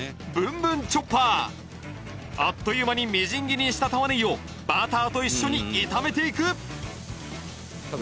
あっという間にみじん切りにした玉ねぎをバターと一緒に炒めていく！